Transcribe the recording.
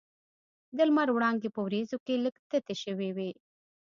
د لمر وړانګې په وریځو کې لږ تتې شوې وې.